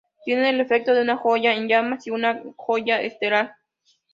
Tiene el efecto de una joya en llamas y una joya estelar.